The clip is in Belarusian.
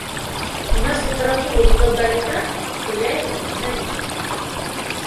У нас літаратуру выкладалі так, што я яе ненавідзеў.